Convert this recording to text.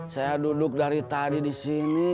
saya duduk dari tari di sini